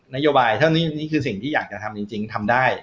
นโยบายอันนี้คือสิ่งที่ผมสามารถทำได้